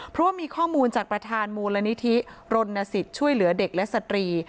เพราะว่ามีข้อมูลจากประธานมูลนิธิรณสิทธิ์ช่วยเหลือเด็กและสตรี